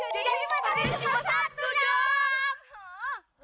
jadi fatir cuma satu dong